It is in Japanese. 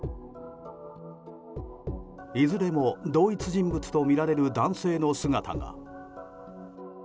いずれも同一人物とみられる男性の姿が。